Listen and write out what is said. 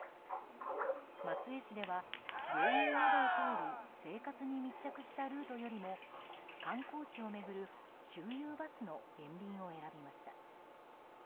松江市では病院などを通る生活に密着したルートよりも観光地を巡る周遊バスの減便を選びました。